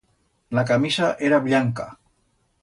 La camisa era bllanca.